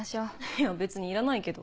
いや別にいらないけど。